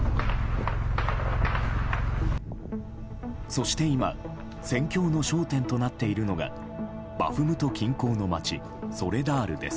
そして今戦況の焦点となっているのがバフムト近郊の街ソレダールです。